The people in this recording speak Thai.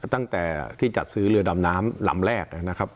ตั้งแต่ที่จัดซื้อเรือดำน้ำลำแรกนะครับ